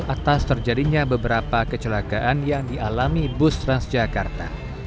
atas terjadinya beberapa kecelakaan yang dialami bus transjakarta